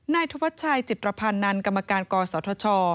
นายธพชัยจิตรพานนันกรรมการกศช